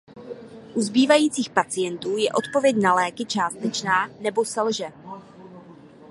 U zbývajících pacientů je odpověď na léky částečná nebo selže.